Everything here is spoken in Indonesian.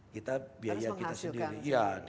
kita harus menghasilkan